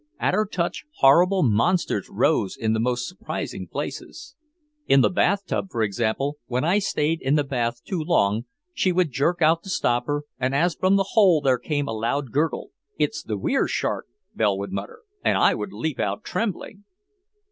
At her touch horrible monsters rose in the most surprising places. In the bathtub, for example, when I stayed in the bath too long she would jerk out the stopper, and as from the hole there came a loud gurgle "It's the Were shark," Belle would mutter. And I would leap out trembling.